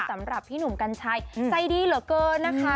สำหรับพี่หนุ่มกัญชัยใจดีเหลือเกินนะคะ